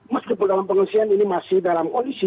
meskipun dalam pengungsian ini masih dalam kondisi